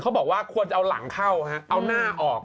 เขาบอกว่าควรจะเอาหลังเข้าฮะเอาหน้าออก